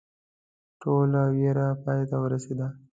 ټوله ویره پای ته ورسېده.